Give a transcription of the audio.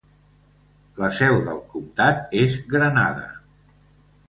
La seu del comtat és Grenada.